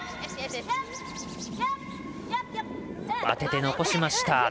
当てて残しました。